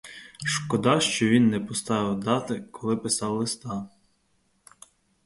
Шкода, що він не поставив дати, коли писав листа.